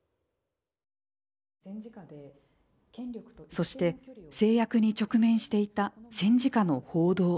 そして制約に直面していた戦時下の報道。